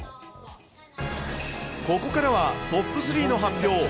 ここからはトップ３の発表。